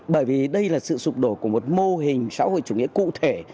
bởi vì đây là sự sụp đổ của một mô hình xã hội chủ nghĩa cụ thể